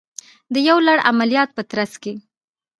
د یو لړ عملیاتو په ترڅ کې